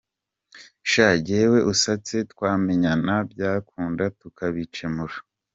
sha gewe usatse twamenyana byakunda tukabicyemura.